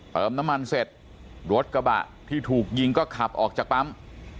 เติมน้ำมันเสร็จรถกระบะที่ถูกยิงก็ขับออกจากปั๊ม